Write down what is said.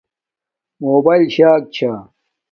موباݵل شاک چھا